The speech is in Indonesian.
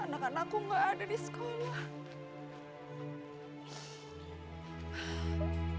anak anakku gak ada di sekolah